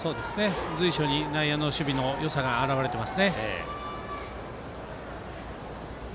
随所に内野の守備のよさが表れていますね。